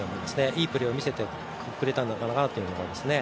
いいプレーを見せてくれたのかなと思いますね。